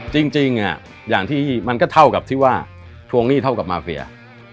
จริงอย่างที่มันก็เท่ากับที่ว่าทวงหนี้เท่ากับมาเฟีย